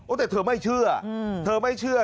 แต่เธอไม่เชื่อเธอไม่เชื่อ